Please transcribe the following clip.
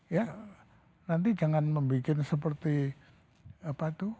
ya nanti jangan membuat seperti apa itu